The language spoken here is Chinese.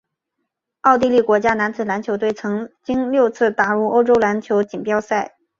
奥地利国家男子篮球队曾经六次打入欧洲篮球锦标赛。